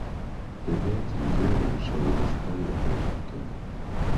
دەبێت زۆر وشە و ڕستە لەبەر بکەم.